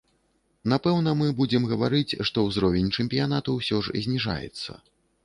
Напэўна, мы будзем гаварыць, што ўзровень чэмпіянату ўсё ж зніжаецца.